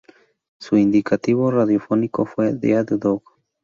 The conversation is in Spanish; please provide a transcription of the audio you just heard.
Su indicativo radiofónico fue "Dead Dog".